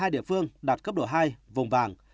một mươi hai địa phương đạt cấp độ hai vùng vàng